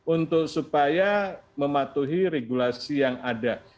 untuk supaya mematuhi regulasi yang ada